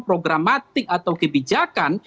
programmatik atau kebijakan